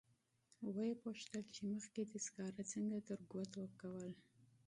و یې پوښتل چې مخکې دې سکاره څنګه ترګوتو کول.